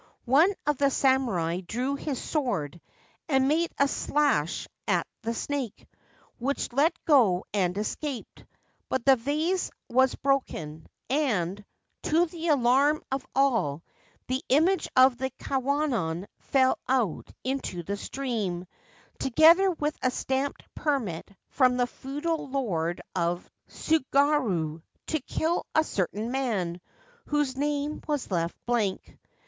One of the samurai drew his sword and made a slash at the snake, which let go and escaped ; but the vase was broken, and, to the alarm of all, the image of the Kwannon fell out into the stream, together with a stamped permit from the Feudal Lord of Tsugaru to kill a certain man, whose name was left blank.